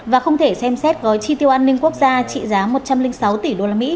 và không thể xem xét gói chi tiêu an ninh quốc gia trị giá một trăm linh sáu tỷ usd